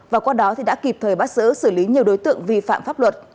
và qua đó đã kịp thời bắt giữ xử lý nhiều đối tượng vi phạm pháp luật